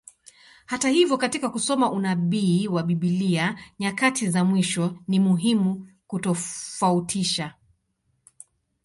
Hata hivyo, katika kusoma unabii wa Biblia nyakati za mwisho, ni muhimu kutofautisha.